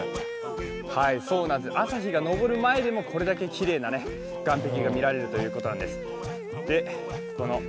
朝日が昇るでもこれだけきれいな岸壁が見られるということなんです。